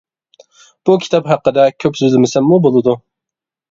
بۇ كىتاب ھەققىدە كۆپ سۆزلىمىسەممۇ بولىدۇ.